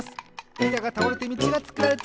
いたがたおれてみちがつくられていく！